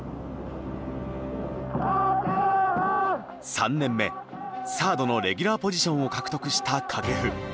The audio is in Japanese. ３年目サードのレギュラーポジションを獲得した掛布。